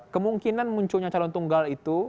kemungkinan munculnya calon tunggal itu